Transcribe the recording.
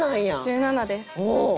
１７です。